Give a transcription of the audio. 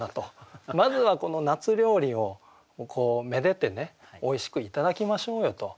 まずはこの夏料理をめでてねおいしくいただきましょうよと。